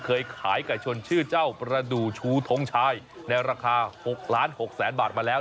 เคยขายไก่ชนชื่อเจ้าประดูกชูทงชายในราคา๖ล้าน๖แสนบาทมาแล้ว